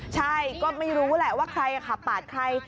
ใช่ก็ไม่รู้ว่าใครขับขับบาดใคร